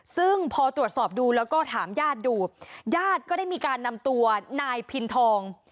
ซึ่งพอตรวจสอบดูแล้วก็ถามญาติดูญาติก็ได้มีการนำตัวนายพินทอง